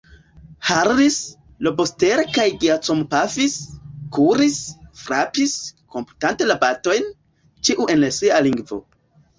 Harris, Lobster kaj Giacomo pafis, kuris, frapis, komputante la batojn, ĉiu en sia lingvo.